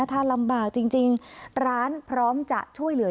ถ้าลำบากจริงร้านพร้อมจะช่วยเหลือ